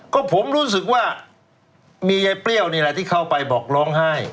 ก็ผมรู้สึกว่ามียายเปรี้ยวนี่แหละที่เข้าไปบอกร้องไห้